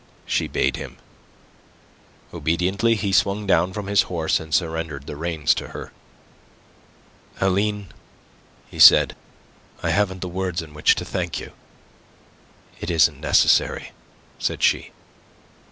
she bade him. Obediently he swung down from his horse, and surrendered the reins to her. "Aline," he said, "I haven't words in which to thank you." "It isn't necessary," said she.